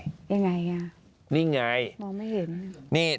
ยังไงนี่ไงมองไม่เห็น